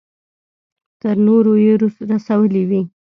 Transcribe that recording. تر نورو يې رسولې وي.